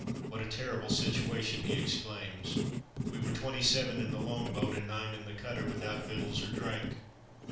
"What a terrible situation!" he exclaims, "we were twenty seven in the long boat, and nine in the cutter, without victuals or drink."